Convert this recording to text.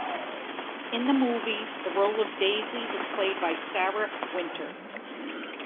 In the movie, the role of Daisy is played by Sarah Wynter.